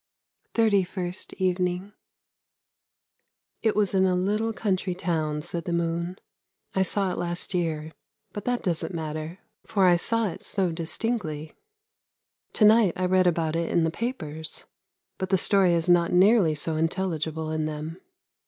THIRTY FIRST EVENING " It was in a little country town," said the moon. " I saw it last year, but that doesn't matter, for I saw it so distinctly. To night I read about it in the papers, but the story is not nearly so intelligible in them.